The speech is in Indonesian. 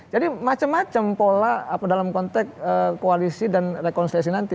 jadi macam macam pola dalam konteks koalisi dan rekonstruksi nanti